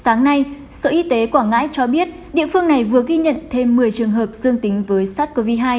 sáng nay sở y tế quảng ngãi cho biết địa phương này vừa ghi nhận thêm một mươi trường hợp dương tính với sars cov hai